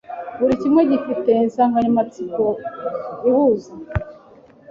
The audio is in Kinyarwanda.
buri kimwe gifite insanganyamatsiko ihuza